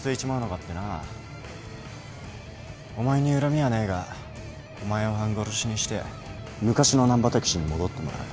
お前に恨みはねえがお前を半殺しにして昔の難破猛に戻ってもらう。